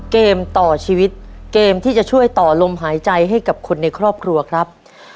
เกมต่อชีวิตเกมที่จะช่วยต่อลมหายใจให้กับคนในครอบครัวครับ